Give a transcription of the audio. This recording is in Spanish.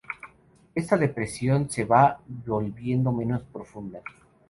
Esta depresión se va volviendo menos profunda.